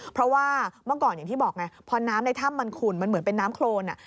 เพราะว่าเมื่อก่อนอย่างที่บอกไงพอน้ำในถ้ำมันขุ่นมันเหมือนเป็นน้ำโครน